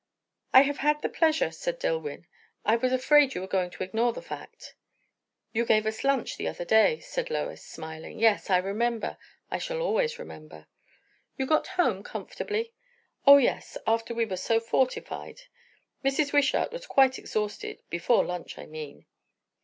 "I have had the pleasure," said Dillwyn. "I was afraid you were going to ignore the fact." "You gave us lunch the other day," said Lois, smiling. "Yes, I remember. I shall always remember." "You got home comfortably?" "O yes, after we were so fortified. Mrs. Wishart was quite exhausted, before lunch, I mean."